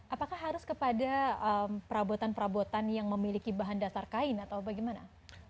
apakah harus kepada perabotan perabotan yang memiliki bahan dasar kain atau bagaimana